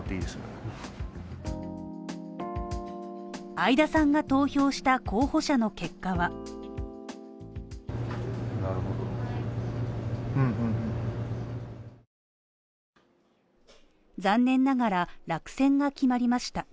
会田さんが投票した候補者の結果は残念ながら落選が決まりました。